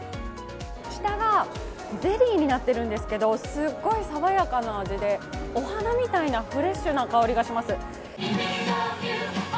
下がゼリーになってるんですけど、すごい爽やかな味で、お花みたいなフレッシュな香りがします。